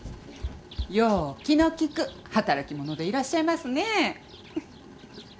よう気の利く働き者でいらっしゃいますねえ。